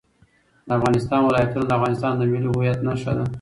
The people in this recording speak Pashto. د افغانستان ولايتونه د افغانستان د ملي هویت نښه ده.